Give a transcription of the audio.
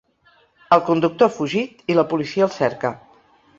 El conductor ha fugit i la policia el cerca.